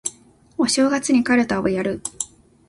お正月にかるたをやる